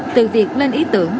từ việc lên ý tưởng